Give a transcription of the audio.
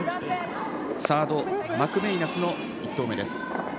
サード、マクメイナスの１投目です。